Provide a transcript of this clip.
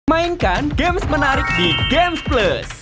mainkan games menarik di gamesplus